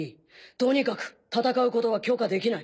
とにかく戦うことは許可できない。